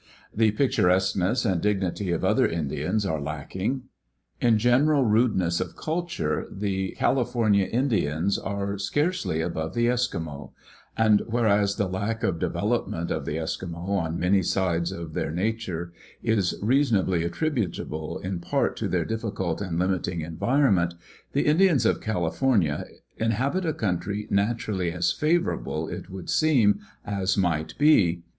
The pic turesqueness and dignity of other Indians are lacking. In general rudeness of culture the California Indians are scarcely above the Eskimo; and whereas the lack of development of the Eskimo on many sides of their nature is reasonably attributable in part to their difficult and limiting environment, the Indians of California inhabit a country naturally as favorable, it would AM. ABCH. ETH. 2, 7. 82 University of California Publications. [AM. ABCH. ETH. seem, as might be.